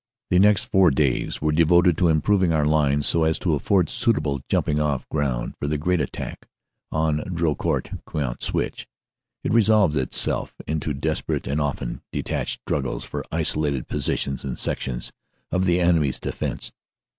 29 3 1 THE next four days were devoted to improving our line so as to afford suitable jumping ofl ground for the great attack on the Drocourt Queant Switch. It resolved it self into desperate and often detached struggles for isolated positions and sections of the enemy s defense.